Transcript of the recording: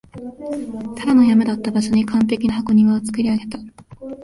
ただの山だった場所に完璧な箱庭を造り上げた